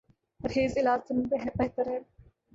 پرہیز علاج سے بہتر ہے۔